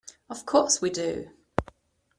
Of course we do.